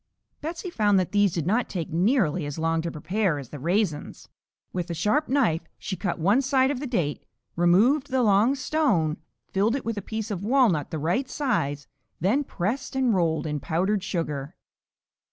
Betsey found that these did not take nearly as long to prepare as the raisins. With a sharp knife she cut one side of the date, removed the long stone, filled it with a piece of walnut the right size, then pressed and rolled in powdered sugar.